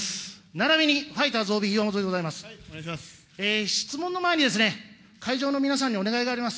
並びにファイターズＯＢ、岩本でございます。